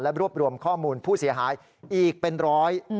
รวบรวมข้อมูลผู้เสียหายอีกเป็นร้อย